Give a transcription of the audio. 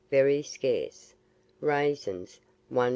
very scarce; raisins, 1s.